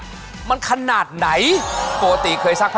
กลับมาแล้วนะครับศึกสุธิรักของเรานะครับ